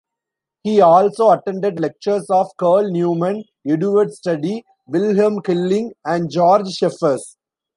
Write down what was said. He also attended lectures of Carl Neumann, Eduard Study, Wilhelm Killing and Georg Scheffers.